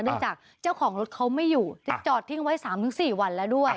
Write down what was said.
จากเจ้าของรถเขาไม่อยู่จะจอดทิ้งไว้๓๔วันแล้วด้วย